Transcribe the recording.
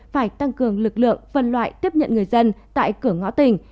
phải tăng cường lực lượng phân loại tiếp nhận người dân tại cửa ngõ tỉnh